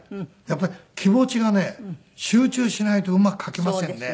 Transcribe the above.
やっぱり気持ちがね集中しないとうまく書けませんね。